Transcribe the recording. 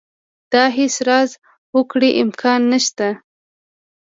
د هېڅ راز هوکړې امکان نه شته.